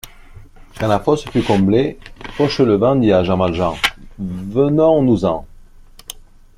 Quand la fosse fut comblée, Fauchelevent dit à Jean Valjean: — Venons-nous-en.